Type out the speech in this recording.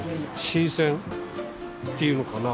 新鮮っていうのかな。